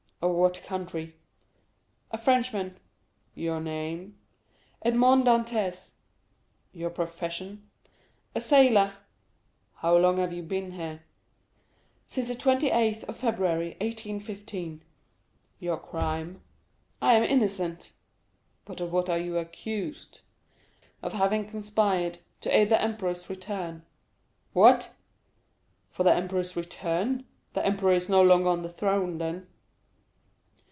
"Of what country?" "A Frenchman." "Your name?" "Edmond Dantès." "Your profession?" "A sailor." "How long have you been here?" "Since the 28th of February, 1815." "Your crime?" "I am innocent." "But of what are you accused?" "Of having conspired to aid the emperor's return." "What! For the emperor's return?—the emperor is no longer on the throne, then?"